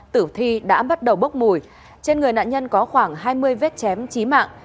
tử thi đã bắt đầu bốc mùi trên người nạn nhân có khoảng hai mươi vết chém trí mạng